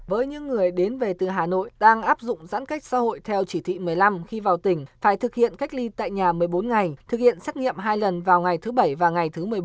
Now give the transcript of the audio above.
với những người đến về từ hà nội đang áp dụng giãn cách xã hội theo chỉ thị một mươi năm khi vào tỉnh phải thực hiện cách ly tại nhà một mươi bốn ngày thực hiện xét nghiệm hai lần vào ngày thứ bảy và ngày thứ một mươi bốn